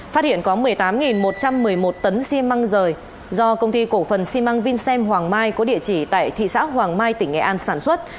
phát hiện có một mươi tám một trăm một mươi một tấn xi măng rời do công ty cổ phần xi măng vinsen hoàng mai có địa chỉ tại thị xã hoàng mai tỉnh nghệ an sản xuất